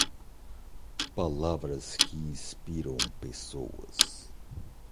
Palavras que inspiram pessoas